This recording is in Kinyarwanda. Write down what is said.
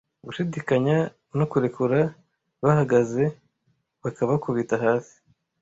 Gushidikanya no kurekura bahagaze, bakabakubita hasi.